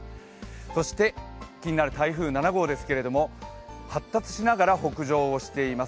そして気になる台風７号ですけど発達しながら北上しています。